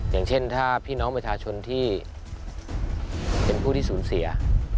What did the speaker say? อย่างเช่นถ้าพี่น้องประชาชนที่เป็นผู้ที่สูญเสีย